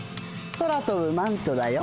空とぶマントだよ。